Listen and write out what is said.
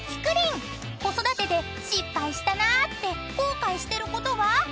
［子育てで失敗したなって後悔してることは？］